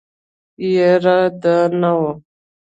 يره دا نو.